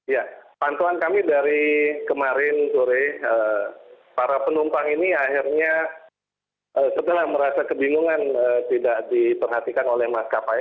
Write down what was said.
ya pantauan kami dari kemarin sore para penumpang ini akhirnya setelah merasa kebingungan tidak diperhatikan oleh maskapai